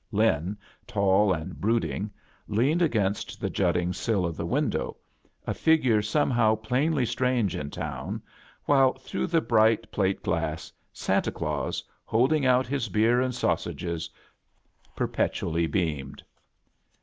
Lin, taQ and brooding, leaned against the juttii^ sill of the window, a figure somehow plain ly strange in town, while through the bright (date glass Santa Qaus, heading out his beer and sausages, perpetually beamed.